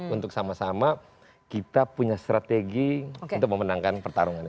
untuk sama sama kita punya strategi untuk memenangkan pertarungan